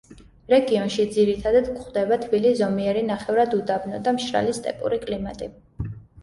რეგიონში ძირითადათ გვხვდება თბილი ზომიერი ნახევრად უდაბნო და მშრალი სტეპური კლიმატი.